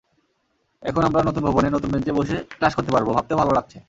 এখন আমরা নতুন ভবনে নতুন বেঞ্চে বসে ক্লাস করতে পারব—ভাবতেও ভালো লাগছে।